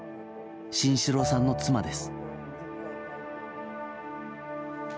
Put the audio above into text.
慎四郎さんの妻です。